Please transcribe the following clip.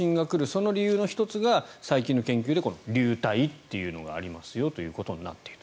その理由の１つが最近の研究で流体というのがありますよということになっている。